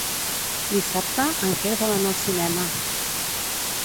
Dissabte en Quer vol anar al cinema.